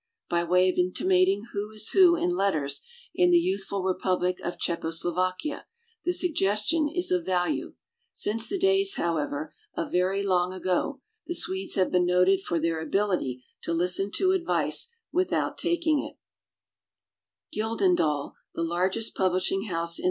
By way of intimating who is who in let ters in the youthful republic of Czecho Slovakia, the suggestion is of value. Since the days however of very long ago, the Swedes have been noted for their ability to listen to advice without taking it.